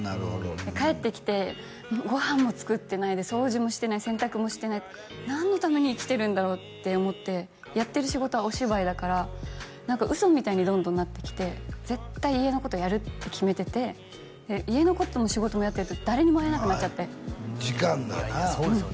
帰ってきてご飯も作ってないで掃除もしてない洗濯もしてない何のために生きてるんだろうって思ってやってる仕事はお芝居だから何か嘘みたいにどんどんなってきて絶対家のことやるって決めてて家のことも仕事もやってると誰にも会えなくなっちゃって時間がなそうですよね